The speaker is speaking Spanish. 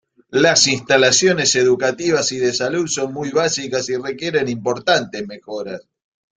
Las instalaciones educativas y de salud son muy básicas y requieren importantes mejoras.